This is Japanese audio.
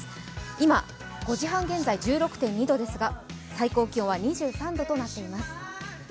今、５時半現在１６．２度ですが最高気温は２３度となっています。